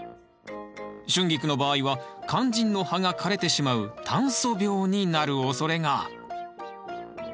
シュンギクの場合は肝心の葉が枯れてしまう炭疽病になるおそれが。